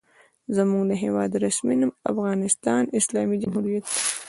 زموږ د هېواد رسمي نوم افغانستان اسلامي جمهوریت دی.